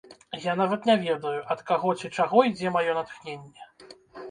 Я нават не ведаю, ад каго ці чаго ідзе маё натхненне.